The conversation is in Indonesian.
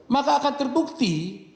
maka akan terbukti